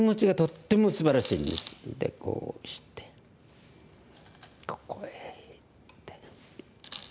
でこうしてここへいって。